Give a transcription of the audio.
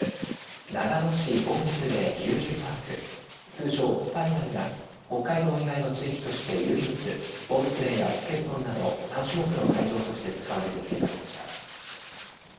長野市ボブスレー・リュージュパーク通称スパイラルが北海道以外の地域として唯一ボブスレーやスケルトンなど３種目の会場として使われる計画でした。